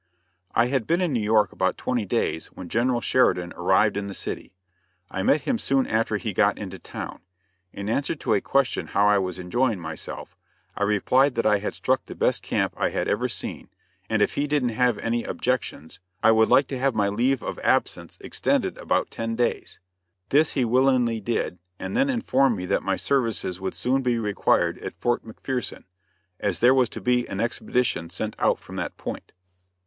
I had been in New York about twenty days when General Sheridan arrived in the city. I met him soon after he got into town. In answer to a question how I was enjoying myself, I replied that I had struck the best camp I had ever seen, and if he didn't have any objections I would like to have my leave of absence extended about ten days. This he willingly did, and then informed me that my services would soon be required at Fort McPherson, as there was to be an expedition sent out from that point.